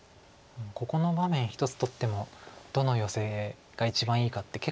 ここの場面一つ取ってもどのヨセが一番いいかって結構難しいんですよね。